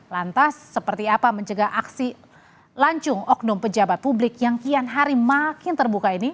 lantas seperti apa mencegah aksi lancung oknum pejabat publik yang kian hari makin terbuka ini